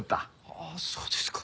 ああそうですか。